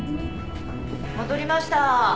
戻りました。